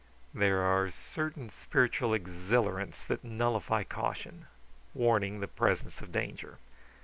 There are certain spiritual exhilarants that nullify caution, warning the presence of danger.